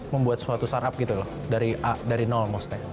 membuat suatu startup gitu loh dari maksudnya